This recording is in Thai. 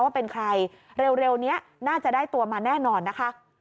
ว่าเป็นใครเร็วนี้น่าจะได้ตัวมาแน่นอนนะคะ